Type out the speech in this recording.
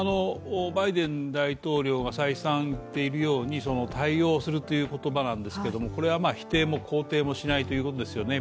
バイデン大統領が再三言っているように、対応するという言葉ですがこれは否定も肯定もしないということですよね。